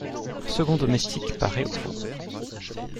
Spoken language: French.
Un second domestique paraît au fond.